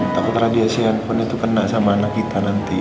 takut radiasi handphone itu kena sama anak kita nanti